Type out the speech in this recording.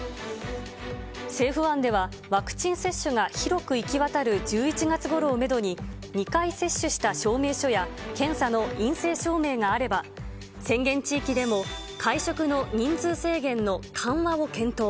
政府案では、ワクチン接種が広く行き渡る１１月ごろをメドに、２回接種した証明書や検査の陰性証明があれば、宣言地域でも、会食の人数制限の緩和を検討。